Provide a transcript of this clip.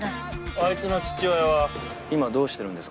あいつの父親は今どうしてるんですか？